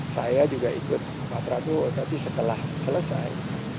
saya juga ikut pak prabowo tapi setelah selesai